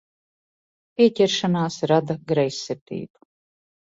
Pieķeršanās rada greizsirdību.